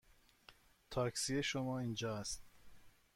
تاکسی شما اینجا است.